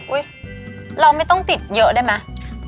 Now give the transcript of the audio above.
หุ้ยเราไม่ต้องติดเยอะได้มั้ย